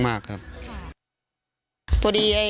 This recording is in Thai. ปลาส้มกลับมาถึงบ้านโอ้โหดีใจมาก